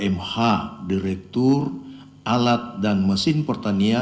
tiga mh direktur pertanian republik indonesia